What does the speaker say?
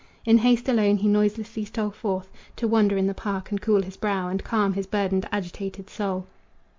In haste alone he noiselessly stole forth To wander in the park, and cool his brow And calm his burdened, agitated soul.